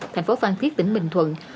thành phố phan thiết tỉnh bình thuận